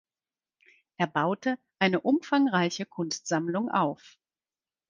Er baute eine umfangreiche Kunstsammlung auf.